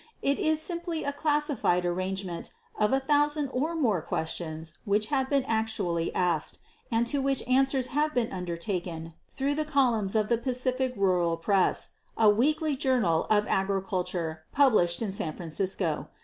It is simply a classified arrangement of a thousand or more questions which have been actually asked, and to which answers have been undertaken through the columns of the Pacific Rural Press, a weekly journal of agriculture published in San Francisco.